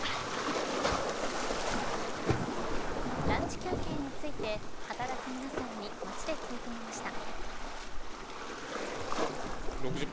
ランチ休憩について働く皆さんに街で聞いてみました。